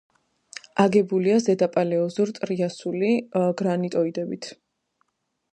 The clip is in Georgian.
აგებულია ზედაპალეოზოურ-ტრიასული გრანიტოიდებით.